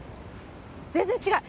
全然違う。